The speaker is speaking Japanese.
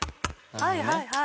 はいはいはい。